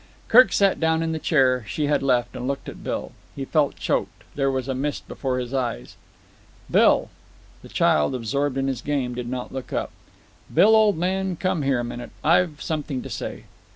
Kirk sat down in the chair she had left and looked at Bill. He felt choked. There was a mist before his eyes. "Bill." The child, absorbed in his game, did not look up. "Bill, old man, come here a minute. I've something to say."